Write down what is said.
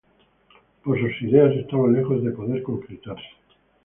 Pero sus ideas estaban lejos de poder concretarse.